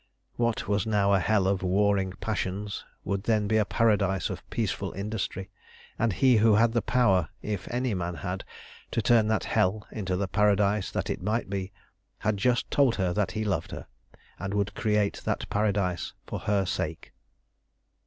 What was now a hell of warring passions would then be a paradise of peaceful industry, and he who had the power, if any man had, to turn that hell into the paradise that it might be, had just told her that he loved her, and would create that paradise for her sake.